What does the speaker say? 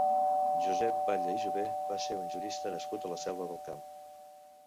Josep Batlle i Jover va ser un jurista nascut a la Selva del Camp.